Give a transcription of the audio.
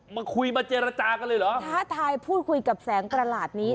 มาคุยมาเจรจากันเลยเหรอท้าทายพูดคุยกับแสงประหลาดนี้